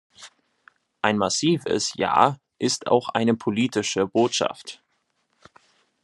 Ein massives ja ist auch eine politische Botschaft.